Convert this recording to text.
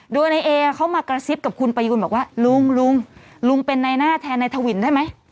โดยนายเอเขามากระซิบกับคุณประยูนบอกว่าลุงลุงเป็นในหน้าแทนนายทวินได้ไหม